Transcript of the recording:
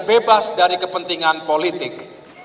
bebas dari kepentingan politik